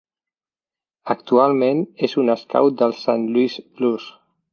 Actualment és un scout dels Saint Louis Blues.